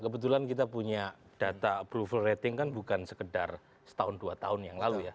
kebetulan kita punya data approval rating kan bukan sekedar setahun dua tahun yang lalu ya